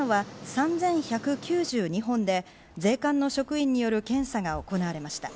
到着したのは３１９２本で税関の職員による検査が行われました。